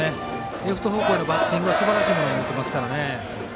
レフト方向のバッティングすばらしいものを持っていますから。